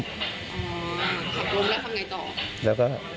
อ๋อผักล้มแล้วทำยังไงต่อ